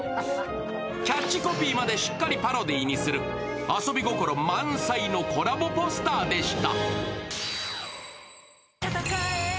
キャッチコピーまでしっかりパロディにする遊び心満載のコラボポスターでした。